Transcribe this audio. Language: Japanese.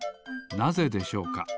なぜでしょうか？